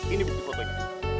ini bukti fotonya